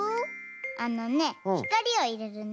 あのねひかりをいれるんだ。